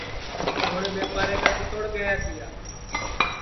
ٻوڑے ٻیپارے کا کِتوڑ گیا تیا